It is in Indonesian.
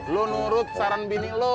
lu nurut saran bini lu